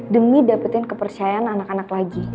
demi dapetin kepercayaan anak anak lagi